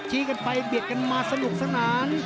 ชี้กันไปเบียดกรรมมาสนุกขนาด